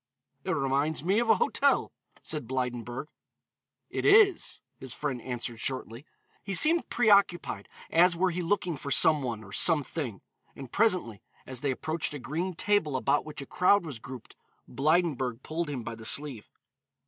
"It reminds me of a hotel," said Blydenburg. "It is," his friend answered shortly. He seemed preoccupied as were he looking for some one or something; and presently, as they approached a green table about which a crowd was grouped, Blydenburg pulled him by the sleeve.